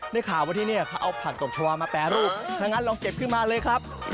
ได้ข่าวว่าที่นี่เขาเอาผักตบชาวามาแปรรูปถ้างั้นลองเก็บขึ้นมาเลยครับ